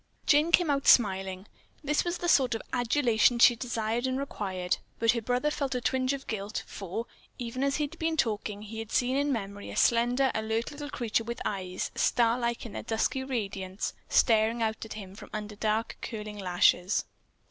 Jane came out smiling. This was the sort of adulation she desired and required, but her brother felt a twinge of guilt, for, even as he had been talking, he had seen in memory a slender, alert little creature with eyes, star like in their dusky radiance, gazing out at him from under dark, curling lashes.